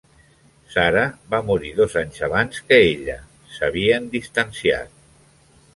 Sara va morir dos anys abans que ella; s'havien distanciat.